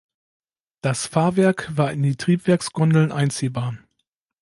Das Fahrwerk war in die Triebwerksgondeln einziehbar.